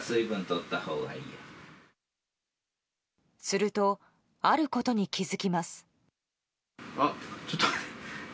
すると、あることに気づきます。